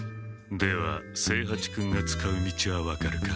では清八君が使う道は分かるか？